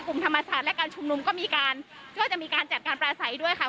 กลุ่มธรรมสาธุและการชุมนุมก็มีการก็จะมีการจัดการปราศัยด้วยค่ะ